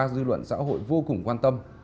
dư luận xã hội vô cùng quan tâm